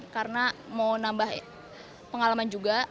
karena mau nambah pengalaman juga